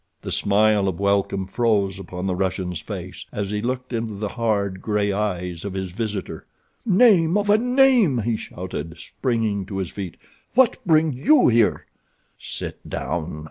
The smile of welcome froze upon the Russian's face as he looked into the hard, gray eyes of his visitor. "Name of a name!" he shouted, springing to his feet, "What brings you here!" "Sit down!"